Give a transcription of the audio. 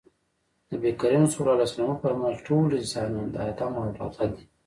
نبي کريم ص وفرمايل ټول انسانان د ادم اولاده دي.